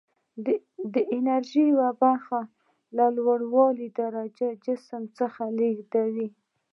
د انرژي یوه برخه له لوړې درجې جسم څخه لیږدوي.